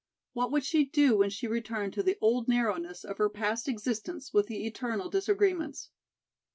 What would she do when she returned to the old narrowness of her past existence with the eternal disagreements?